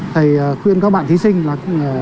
thầy khuyên các bạn thí sinh là